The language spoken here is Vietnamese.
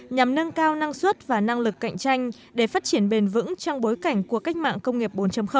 nhằm nâng cao năng suất và năng lực cạnh tranh để phát triển bền vững trong bối cảnh của cách mạng công nghiệp bốn